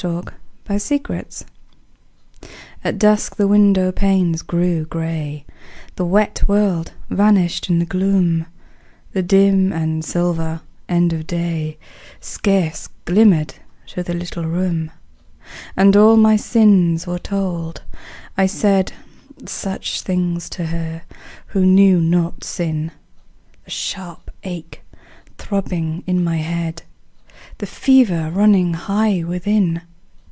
FORGIVENESS At dusk the window panes grew grey; The wet world vanished in the gloom; The dim and silver end of day Scarce glimmered through the little room. And all my sins were told; I said Such things to her who knew not sin The sharp ache throbbing in my head, The fever running high within.